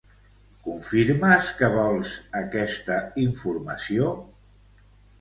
Confirmes que vols aquesta informació?